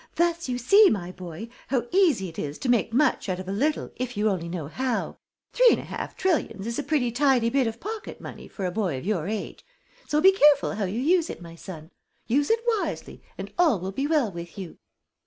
"Thus you see, my boy, how easy it is to make much out of a little if you only know how. Three and a half trillions is a pretty tidy bit of pocket money for a boy of your age. So be careful how you use it, my son. Use it wisely, and all will be well with you."